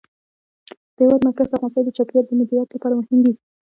د هېواد مرکز د افغانستان د چاپیریال د مدیریت لپاره مهم دي.